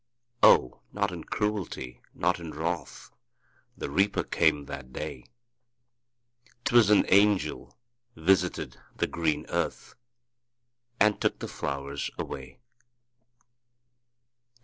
O, not in cruelty, not in wrath, The Reaper came that day; 'Twas an angel visited the green earth, And took the flowers away.